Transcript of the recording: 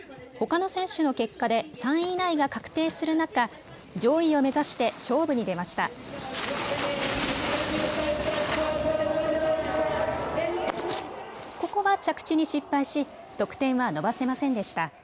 ほかの選手の結果で３位以内が確定する中上位を目指して勝負に出ました。